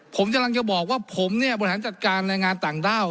ผมกำลังจะบอกว่าผมเนี่ยบริหารจัดการแรงงานต่างด้าว